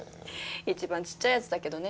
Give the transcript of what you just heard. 一番ちっちゃいやつだけどね。